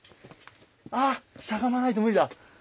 あっしゃがまないと無理だ。